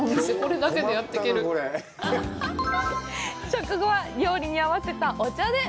食後は、料理に合わせたお茶で。